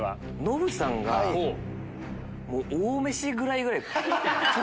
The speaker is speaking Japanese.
ノブさんが大飯食らいぐらい。